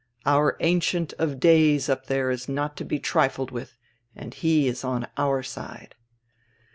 Our Ancient of Days up diere is not to be trilled widi and He is on our side."